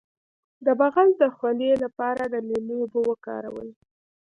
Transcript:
د بغل د خولې لپاره د لیمو اوبه وکاروئ